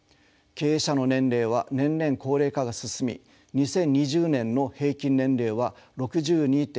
経営者の年齢は年々高齢化が進み２０２０年の平均年齢は６２．４９歳でした。